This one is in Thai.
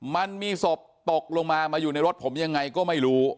มันมีศพตกลงมามาอยู่ในรถผมยังไงก็ไม่รู้